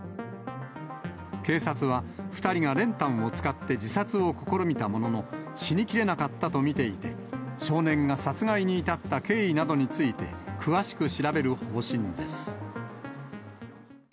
警察は、２人が練炭を使って自殺を試みたものの、死にきれなかったと見ていて、少年が殺害に至った経緯などについて、詳しく調べる方針です。